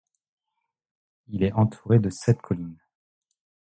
Il est entouré de sept collines.